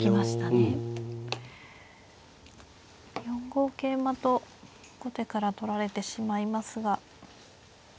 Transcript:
４五桂馬と後手から取られてしまいますが。